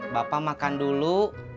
bapak makan dulu